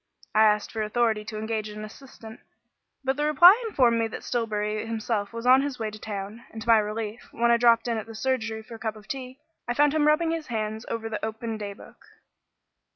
I asked for authority to engage an assistant, but the reply informed me that Stillbury himself was on his way to town; and to my relief, when I dropped in at the surgery for a cup of tea, I found him rubbing his hands over the open day book.